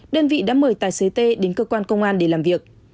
đơn vị đã mời tài xế tê đến cơ quan công an để làm việc